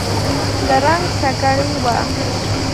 له رنګ سکڼۍ و.